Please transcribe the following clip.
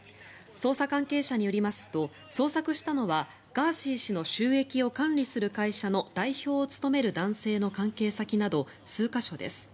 捜査関係者によりますと捜索したのはガーシー氏の収益を管理する会社の代表を務める男性の関係先など数か所です。